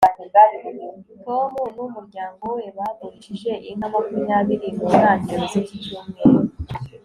tom n'umuryango we bagurishije inka makumyabiri mu ntangiriro ziki cyumweru